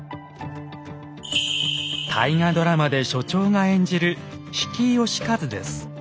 大河ドラマで所長が演じる比企能員です。